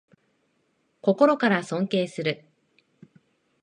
心から尊敬する